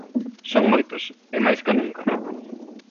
Son moitos e máis ca nunca.